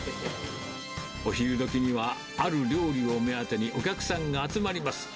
お昼どきには、ある料理を目当てにお客さんが集まります。